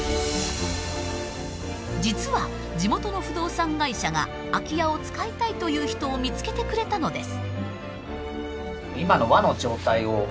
実は地元の不動産会社が空き家を使いたいという人を見つけてくれたのです。